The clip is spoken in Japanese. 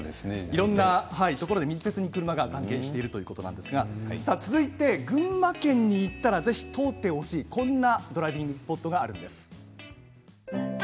いろいろなところで密接に車が関係しているということなんですが続いて群馬県に行ったらぜひ通ってほしいこんなドライビングスポットがあるんです。